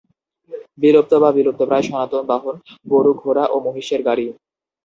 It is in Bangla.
বিলুপ্ত বা বিলুপ্তপ্রায় সনাতন বাহন গরু, ঘোড়া ও মহিষের গাড়ি।